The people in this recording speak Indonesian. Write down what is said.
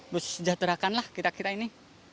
terus sejahterakanlah kita kita ini